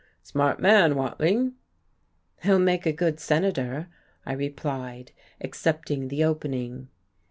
Smart man, Watling." "He'll make a good senator," I replied, accepting the opening.